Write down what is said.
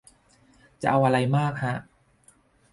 จะเอาไรมากฮะ